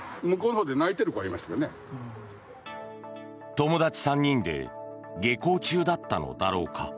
友達３人で下校中だったのだろうか。